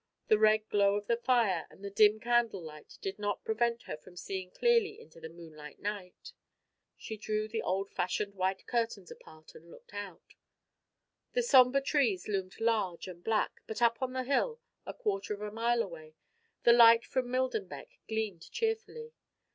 The red glow of the fire and the dim candle light did not prevent her from seeing clearly into the moonlight night. She drew the old fashioned white curtains apart and looked out. The somber trees loomed large and black, but up on the hill, a quarter of a mile away, the light from Millenbeck gleamed cheerfully.